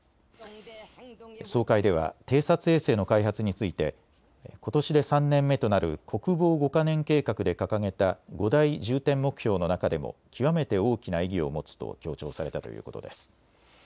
総会では偵察衛星の開発についてことしで３年目となる国防５か年計画で掲げた５大重点目標の中でも極めて大きな意義を持つと強調されたということです。